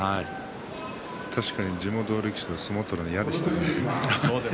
確かに、地元力士と相撲を取るのは嫌でした。